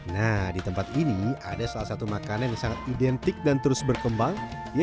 nah di tempat ini ada salah satu makanan yang sangat identik dan terus berkembang